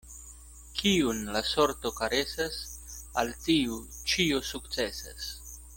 Kiun la sorto karesas, al tiu ĉio sukcesas.